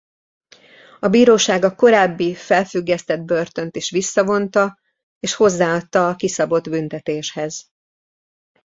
A bíróság a korábbi felfüggesztett börtönt is visszavonta és hozzáadta a kiszabott büntetéshez.